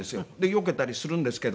よけたりするんですけど。